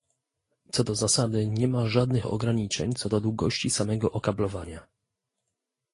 Co do zasady nie ma żadnych ograniczeń co do długości samego okablowania